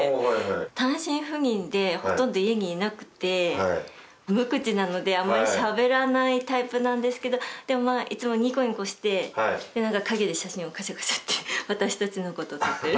単身赴任でほとんど家にいなくて無口なのであんまりしゃべらないタイプなんですけどでもいつもニコニコして何か陰で写真をカシャカシャって私たちのことを撮ってる。